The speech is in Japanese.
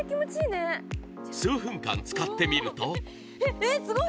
数分間使ってみるとえっ、すごい。